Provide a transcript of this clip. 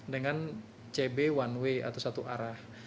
dengan cb one way atau satu arah